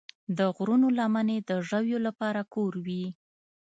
د غرونو لمنې د ژویو لپاره کور وي.